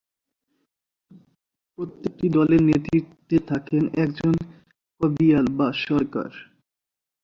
প্রত্যেকটি দলের নেতৃত্বে থাকেন একজন "কবিয়াল" বা "সরকার"।